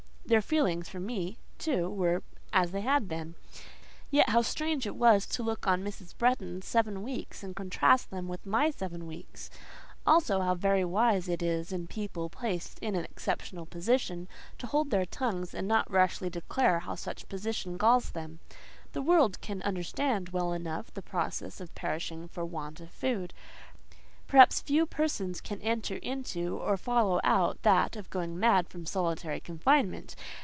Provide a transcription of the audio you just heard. Their feelings for me too were—as they had been. Yet, how strange it was to look on Mrs. Bretton's seven weeks and contrast them with my seven weeks! Also, how very wise it is in people placed in an exceptional position to hold their tongues and not rashly declare how such position galls them! The world can understand well enough the process of perishing for want of food: perhaps few persons can enter into or follow out that of going mad from solitary confinement.